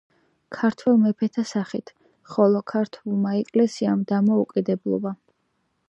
ქართველ მეფეთა სახით, ხოლო ქართულმა ეკლესიამ დამოუკიდებლობა.